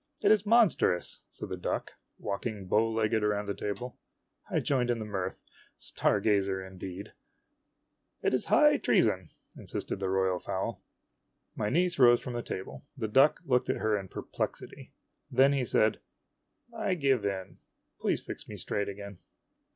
" It is monstrous !" said the duck, walking bow legged around the table. I joined in the mirth. " Star gazer," indeed !" It is high treason !" insisted the royal fowl. My niece rose from the table. The duck looked at her in per plexity. Then he said :" I give in. Please fix me straight again."